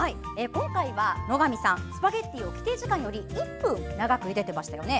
今回、野上さんスパゲッティを規定時間より１分長くゆでていましたよね。